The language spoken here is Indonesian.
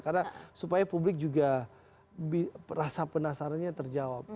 karena supaya publik juga rasa penasarannya terjawab